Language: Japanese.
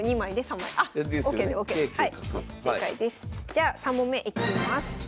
じゃあ３問目いきます。